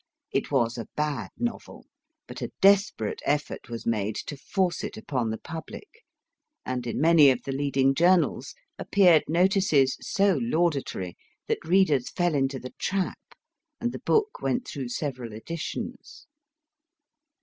It was a bad novel, but a desperate effort was made to force it upon the public, and in many of the leading journals appeared notices so laudatory that readers fell into the trap, and the book went through several editions.